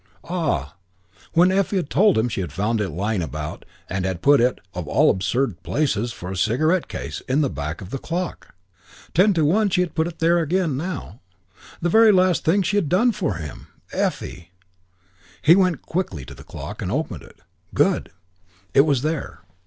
Ah, when Effie had told him she had found it lying about and had put it of all absurd places for a cigarette case in the back of the clock. Ten to one she had put it there again now. The very last thing she had done for him! Effie! He went quickly to the clock and opened it. Good! It was there.